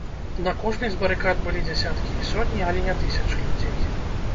На кожнай з барыкад былі дзясяткі і сотні, але не тысячы людзей.